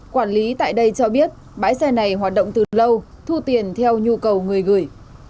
quản lý tại đây cho biết bãi xe này hoạt động từ lâu thu tiền theo nhu cầu người gửi